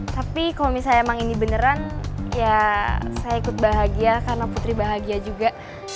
tapi kalau misalnya emang ini beneran ya saya ikut bahagia karena putri bahagia juga